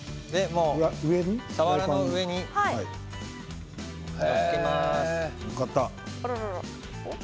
さわらの上に載っけます。